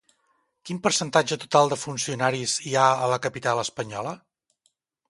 Quin percentatge total de funcionaris hi ha a la capital espanyola?